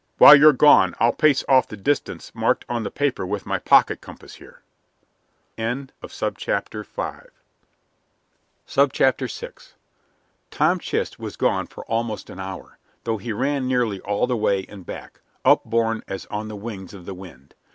While you're gone I'll pace off the distance marked on the paper with my pocket compass here." VI Tom Chist was gone for almost an hour, though he ran nearly all the way and back, upborne as on the wings of the wind.